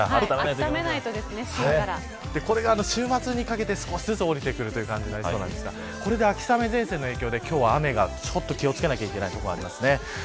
これが週末にかけて少しずつおりてくるという感じになりそうなんですが秋雨前線の影響で今日は雨に気を付けなければいけない所があります。